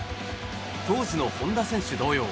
当時の本田選手同様